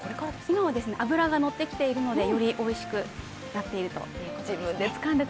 今は脂が乗ってきているので、よりおいしくなっていると。